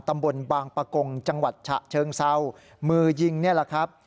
ตำบลบางปะกงจังหวัดฉะเชิงเซามือยิงนี่แหละครับ